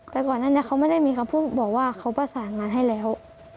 แต่ก่อนอันนี้เขาไม่ได้มีคำพูดบอกว่าเขาประสานงานให้แล้ว